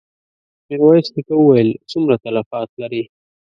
ميرويس نيکه وويل: څومره تلفات لرې؟